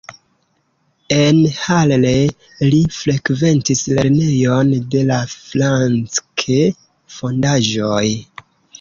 En Halle li frekventis lernejon de la Francke-fondaĵoj.